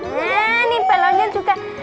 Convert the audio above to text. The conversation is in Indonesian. nah ini pelonnya juga